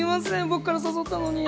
僕から誘ったのに。